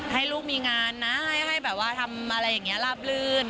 ให้ลูกมีงานนะให้แบบว่าทำอะไรอย่างนี้ลาบลื่น